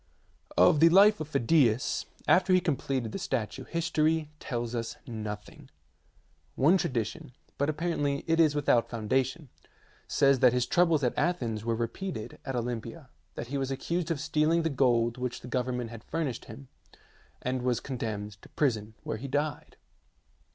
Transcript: Of the life of Phidias, after he completed the statue, history tells us nothing. One tradition but apparently it is without foundation says that his troubles at Athens were repeated at Olympia, that he was accused of stealing the gold which the government had furnished him, and was con demned to prison, where he died.